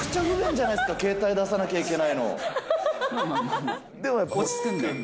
めちゃくちゃ不便じゃないですか、携帯出さなきゃいけないの。